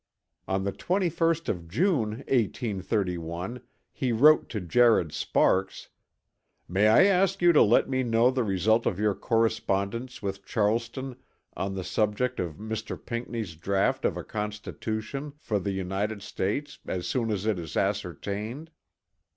On the 21st of June, 1831, he wrote to Jared Sparks: "May I ask you to let me know the result of your correspondence with Charleston on the subject of Mr. Pinckney's draught of a Constitution for the United States as soon as it is ascertained?"